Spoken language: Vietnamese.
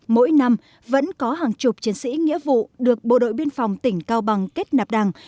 mỗi năm vẫn có hàng chục chiến sĩ nghĩa vụ được bộ đội biên phòng tỉnh cao bằng kết nạp đảng